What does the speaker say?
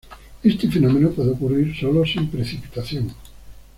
Este fenómeno puede ocurrir solo sin precipitación.